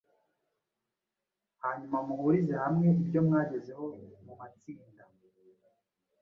hanyuma muhurize hamwe ibyo mwagezeho mu matsinda.